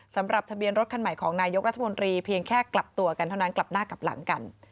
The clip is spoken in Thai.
สำหรับทะเบียนรถคันใหม่ของนายกรัฐมนตรีเพียงแค่กลับตัวกันเท่านั้นกลับหน้ากลับหลังกัน